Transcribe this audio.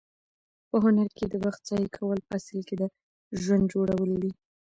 په هنر کې د وخت ضایع کول په اصل کې د ژوند جوړول دي.